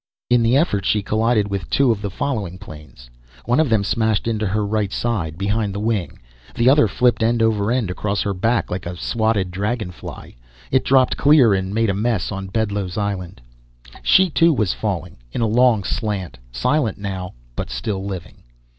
In the effort she collided with two of the following planes. One of them smashed into her right side behind the wing, the other flipped end over end across her back, like a swatted dragonfly. It dropped clear and made a mess on Bedloe's Island. She too was falling, in a long slant, silent now but still living.